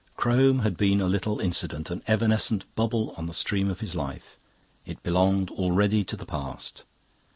Crome had been a little incident, an evanescent bubble on the stream of his life; it belonged already to the past.